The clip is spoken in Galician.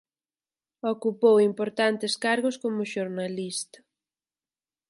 Ocupou importantes cargos como xornalista.